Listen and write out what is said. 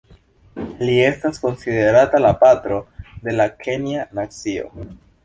Li estas konsiderata la patro de la kenja nacio.